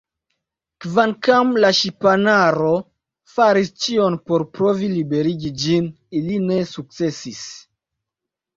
Kvankam la ŝipanaro faris ĉion por provi liberigi ĝin, ili ne sukcesis.